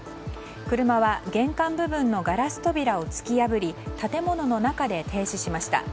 車は玄関部分のガラス扉を突き破り建物の中で停止しました。